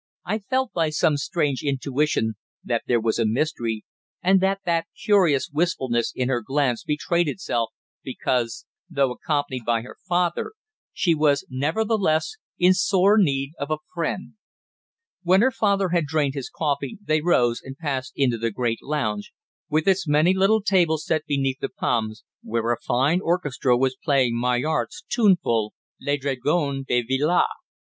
I felt, by some strange intuition, that there was a mystery, and that that curious wistfulness in her glance betrayed itself because, though accompanied by her father, she was nevertheless in sore need of a friend. When her father had drained his coffee they rose and passed into the great lounge, with its many little tables set beneath the palms, where a fine orchestra was playing Maillart's tuneful "Les Dragons de Villars."